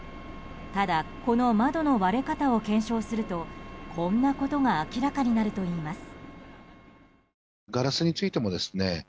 ただ、この窓の割れ方を検証するとこんなことが明らかになるといいます。